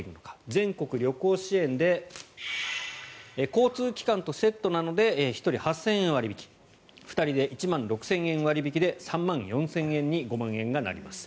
全国旅行支援で交通機関とセットなので１人８０００円割引２人で１万６０００円割引で３万４０００円に５万円がなります。